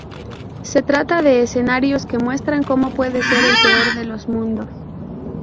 Se trata de escenarios que muestran como puede ser el peor de los mundos.